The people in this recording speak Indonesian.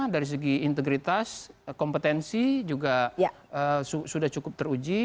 dari segi integritas kompetensi juga sudah cukup teruji